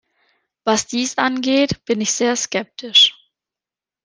Was dies angeht, bin ich sehr skeptisch.